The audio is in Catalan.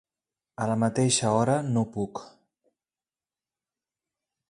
A la mateixa hora no puc.